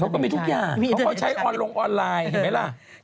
เขาก็มีทุกอย่างเพราะเขาใช้ออนลงออนไลน์เห็นไหมล่ะ